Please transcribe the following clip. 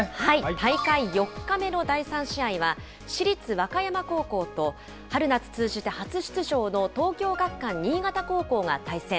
大会４日目の第３試合は、市立和歌山高校と、春夏通じて初出場の東京学館新潟高校が対戦。